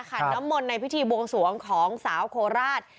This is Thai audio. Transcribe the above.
ขันน้ำมนต์ในพิธีบวงสวงของสาวโคราช